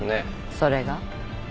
それが？